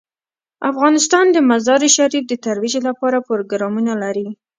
افغانستان د مزارشریف د ترویج لپاره پروګرامونه لري.